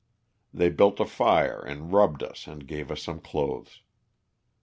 They built a fire and rubbed us and gave us some clothes.